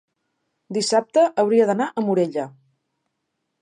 Dissabte hauria d'anar a Morella.